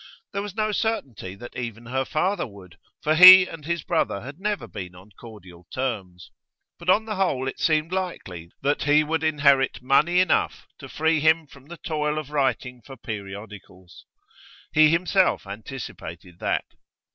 There was no certainty that even her father would, for he and his brother had never been on cordial terms. But on the whole it seemed likely that he would inherit money enough to free him from the toil of writing for periodicals. He himself anticipated that.